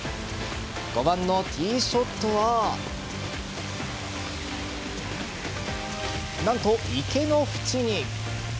５番のティーショットは何と池の縁に。